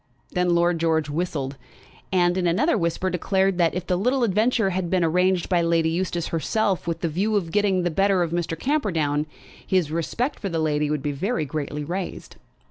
Then Lord George whistled, and, in another whisper, declared that, if the little adventure had all been arranged by Lady Eustace herself with the view of getting the better of Mr. Camperdown, his respect for that lady would be very greatly raised.